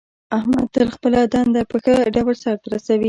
احمد تل خپله دنده په ښه ډول سرته رسوي.